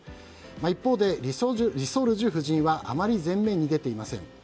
一方でリ・ソルジュ夫人はあまり前面に出ていません。